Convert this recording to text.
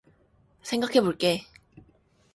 생각해 볼게.